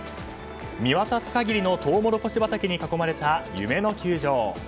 見渡す限りのトウモロコシ畑に囲まれた夢の球場。